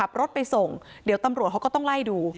ขับรถไปส่งเดี๋ยวตำรวจเขาก็ต้องไล่ดู